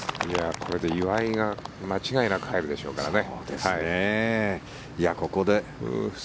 これで岩井が間違いなく入るでしょうからね。